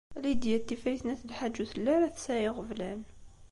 Lidya n Tifrit n At Lḥaǧ ur telli ara tesɛa iɣeblan.